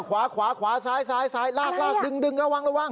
ขวาขวาขวาซ้ายซ้ายซ้ายลากลากดึงระวังระวัง